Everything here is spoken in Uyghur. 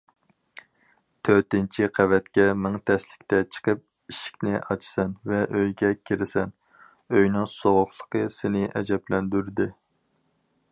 تۆتىنچى قەۋەتكە مىڭ تەسلىكتە چىقىپ، ئىشىكنى ئاچىسەن ۋە ئۆيگە كىرىسەن، ئۆينىڭ سوغۇقلۇقى سېنى ئەجەبلەندۈردى.